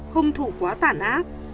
hung thủ quá tản áp